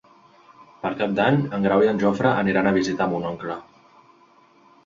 Per Cap d'Any en Grau i en Jofre aniran a visitar mon oncle.